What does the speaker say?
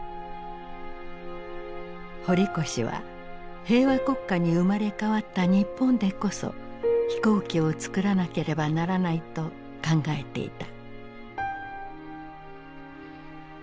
堀越は平和国家に生まれ変わった日本でこそ飛行機をつくらなければならないと考えていた。